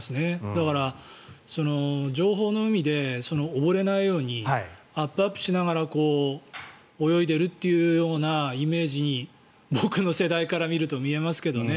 だから、情報の海で溺れないようにあっぷあっぷしながら泳いでいるというイメージに僕の世代から見ると見えますけどね。